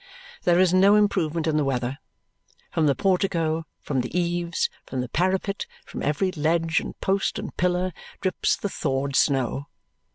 There is no improvement in the weather. From the portico, from the eaves, from the parapet, from every ledge and post and pillar, drips the thawed snow.